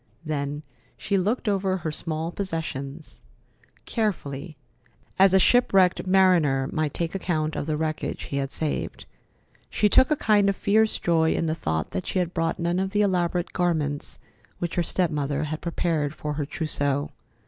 Then she looked over her small possessions carefully, as a shipwrecked mariner might take account of the wreckage he had saved. She took a kind of fierce joy in the thought that she had brought none of the elaborate garments which her step mother had prepared for her trousseau.